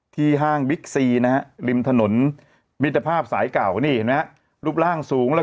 ที่ห้างบิ๊กซีนะริมถนนมิตรภาพสายเก่านี่นะรูปร่างสูงแล้ว